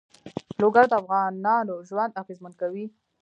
لوگر د افغانانو ژوند اغېزمن کوي.